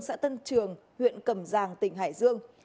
xã tân trường huyện cầm giang tỉnh hải dương